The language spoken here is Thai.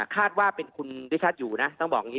คาดว่าเป็นคุณดิชัดอยู่นะต้องบอกอย่างนี้